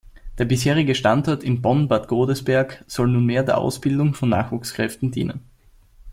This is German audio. Der bisherige Standort in Bonn-Bad Godesberg soll nunmehr der Ausbildung von Nachwuchskräften dienen.